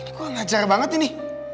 ini kok ngejar banget ini